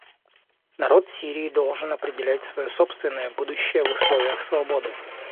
Народ Сирии должен определять свое собственное будущее в условиях свободы.